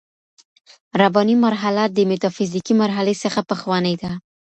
رباني مرحله د ميتا فزيکي مرحلې څخه پخوانۍ ده.